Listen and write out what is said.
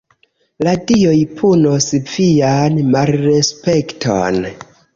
"La dioj punos vian malrespekton."